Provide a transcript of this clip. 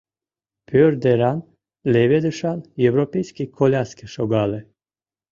Пӧрт деран леведышан европейский коляске шогале.